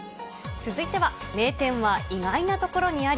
続いては、名店は意外なところにあり。